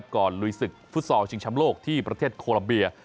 ลุยศึกฟุตซอลชิงชำโลกที่ประเทศโคลัมเบีย